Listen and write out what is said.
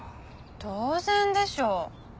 当然でしょう。